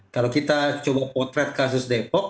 kalau kita coba potret kasus depok